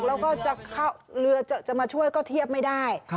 แล้วก็จะเข้าเรือจะมาช่วยก็เทียบไม่ได้